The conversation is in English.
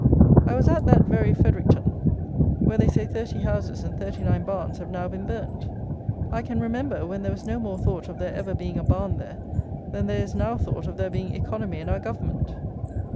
I was at that very Fredericton, where they say thirty houses and thirty nine barns have now been burnt. I can remember when there was no more thought of there ever being a barn there than there is now thought of there being economy in our Government.